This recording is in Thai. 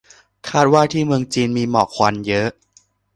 คาดว่าที่เมืองจีนมีหมอกควันเยอะ